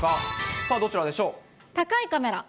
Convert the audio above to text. どちらでしょう。